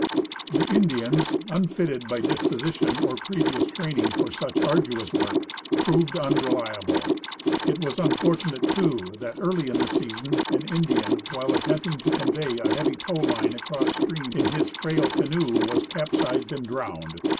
The Indians, unfitted by disposition or i^revious training for such arduous work, proved unreliable. It was unfortunate, too, that early in the season an Indian, while attempting to convey a heavy tow line across stream in his frail canoe, was capsized and drowned.